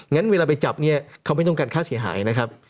งั้นเวลาไปจับเนี่ยเขาไม่ต้องการค่าเสียหายนะครับ